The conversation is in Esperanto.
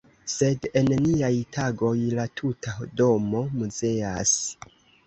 Sed en niaj tagoj la tuta domo muzeas.